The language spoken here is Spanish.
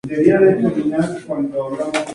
Por tercera vez, Brasil aplazó su primer tren bala